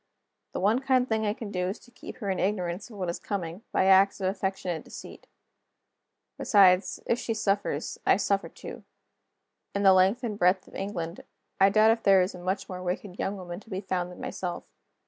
The one kind thing I can do is to keep her in ignorance of what is coming, by acts of affectionate deceit. Besides, if she suffers, I suffer too. In the length and breadth of England, I doubt if there is a much more wicked young woman to be found than myself.